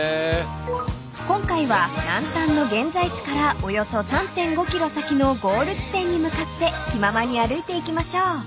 ［今回は南端の現在地からおよそ３．５ｋｍ先のゴール地点に向かって気ままに歩いていきましょう］